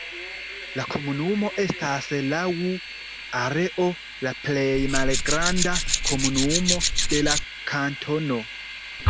La komunumo estas laŭ areo la plej malgranda komunumo de la kantono.